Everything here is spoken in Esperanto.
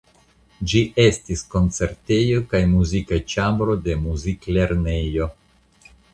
Ĝi estis koncertejo kaj muzika ĉambro de muziklernejo.